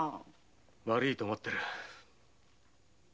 悪いと思ってる。